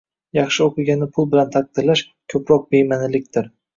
Yaxshi o‘qiganini pul bilan taqdirlash – ko‘proq bema’nilikdir.